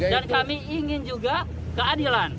dan kami ingin juga keadilan